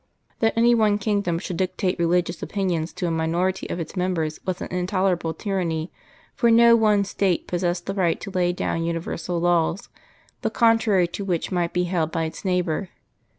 That any one kingdom should dictate religious opinions to a minority of its members was an intolerable tyranny, for no one State possessed the right to lay down universal laws, the contrary to which might be held by its neighbour.